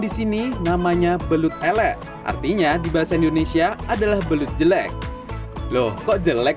di sini namanya belut elek artinya di bahasa indonesia adalah belut jelek loh kok jelek